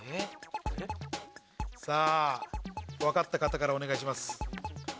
分かった方からお願いします。